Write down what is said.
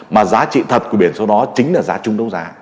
mà giá trị thật của biển số đó chính là giá chung đấu giá